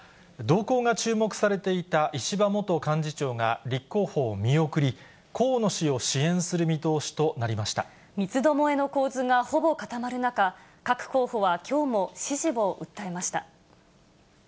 動向が注目されていた石破元幹事長が立候補を見送り、河野氏を支三つどもえの構図がほぼ固まる中、各候補はきょうも支持を訴えました。